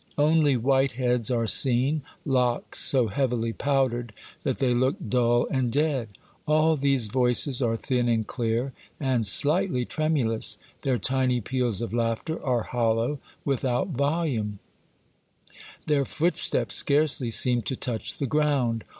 Only white heads are seen, locks so heavily powdered that they look dull and dead ; all these voices are thin and clear, and slightly tremulous ; their tiny peals of laughter are hollow, without volume; their footsteps scarcely seem to touch the ground.